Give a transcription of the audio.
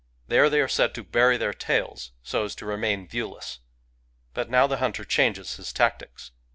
There they are said to bury their tails, so as to remain viewless. But now the hunter changes his tactics.